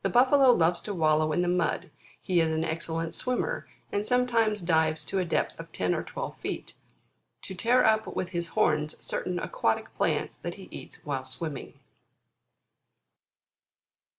The Buffalo loves to wallow in the mud ; he is an excellent swimmer, and sometimes dives to a depth of ten or twelve feet, to tear up with his horns certain aquatic plants that he eats while swimming.